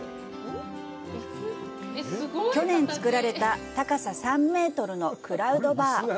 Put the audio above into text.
去年作られた、高さ３メートルのクラウドバー。